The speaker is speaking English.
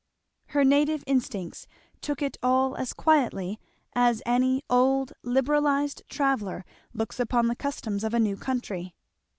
Her native instincts took it all as quietly as any old liberalized traveller looks upon the customs of a new country.